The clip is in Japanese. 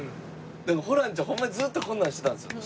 でもホランちゃんホンマにずっとこんなんしてたんですよ。